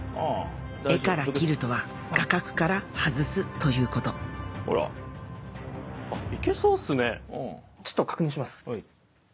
「画から切る」とは画角から外すということいけそうっすねちょっと確認します。